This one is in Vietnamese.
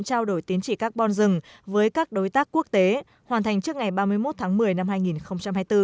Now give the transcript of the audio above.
trao đổi tiến trị carbon rừng với các đối tác quốc tế hoàn thành trước ngày ba mươi một tháng một mươi năm hai nghìn hai mươi bốn